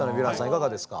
いかがですか？